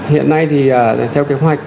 hiện nay thì theo kế hoạch